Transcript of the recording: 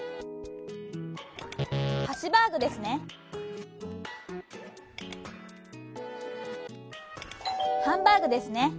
「ハシバーグ」ですね。